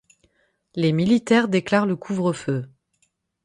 Les militaires déclarent le couvre-feu.